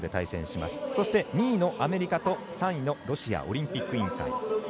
そして、２位のアメリカと３位のロシアオリンピック委員会。